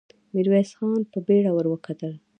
ميرويس خان په بېړه ور وکتل.